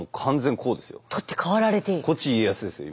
こっち家康ですよ今。